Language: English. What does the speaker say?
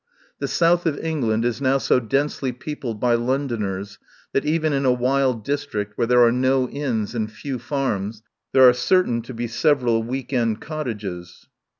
The south of England is now so densely peopled by Lon doners that even in a wild district where there are no inns and few farms there are certain to be several week end cottages.